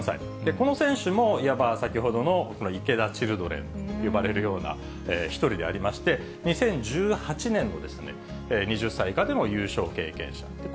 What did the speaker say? この選手もいわば、先ほどのこの池田チルドレンと呼ばれるような一人でありまして、２０１８年の２０歳以下でも優勝経験している。